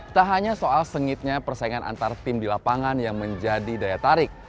tak hanya soal sengitnya persaingan antar tim di lapangan yang menjadi daya tarik